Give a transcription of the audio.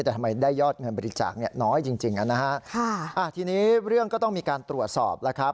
แต่ทำไมได้ยอดเงินบริจาคเนี่ยน้อยจริงจริงนะฮะค่ะอ่าทีนี้เรื่องก็ต้องมีการตรวจสอบแล้วครับ